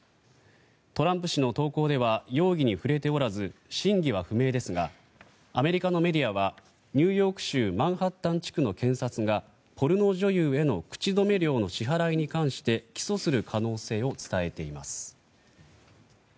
トランプ氏の投稿では容疑に触れておらず真偽は不明ですがアメリカのメディアはニューヨーク州マンハッタン地区の検察がポルノ女優への口止め料の支払いに関して起訴する可能性を伝えています。